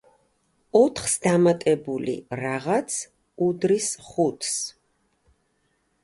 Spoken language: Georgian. ოთხს დამატებული „რაღაც“ უდრის ხუთს.